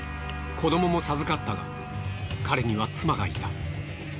子供も授かったが彼には妻がいた。